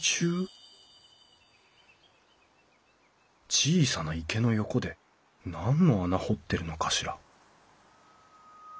小さな池の横で何の穴掘ってるのかしら？